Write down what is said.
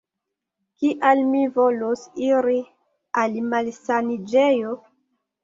Kial mi volus iri al malsaniĝejo?